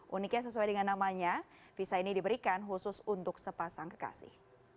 uniknya sesuai dengan namanya visa ini diberikan khusus untuk sepasang kekasih